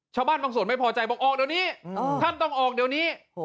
ชาวบ้านบางส่วนไม่พอใจบอกออกเดี๋ยวนี้ท่านต้องออกเดี๋ยวนี้